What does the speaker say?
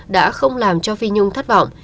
đã không làm cho phi nhung thất vọng